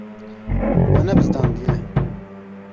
We nebizdandiye.